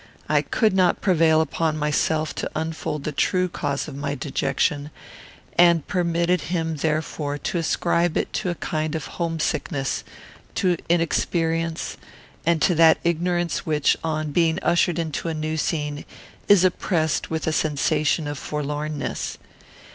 I could not prevail upon myself to unfold the true cause of my dejection, and permitted him therefore to ascribe it to a kind of homesickness; to inexperience; and to that ignorance which, on being ushered into a new scene, is oppressed with a sensation of forlornness.